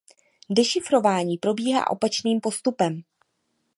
Dešifrování probíhá opačným postupem.